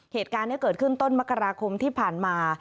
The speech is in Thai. เหตุการณ์นี้เกิดขึ้นต้นมกราคมที่ผ่านมา